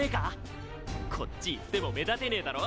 こっち行っても目立てねぇだろ？